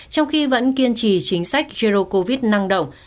trong khi vẫn kiên trì chính sách jero covid năng động